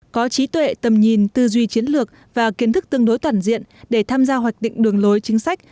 có trí tuệ tầm nhìn tư duy chiến lược và kiến thức tương đối toàn diện để tham gia hoạch định đường lối chính sách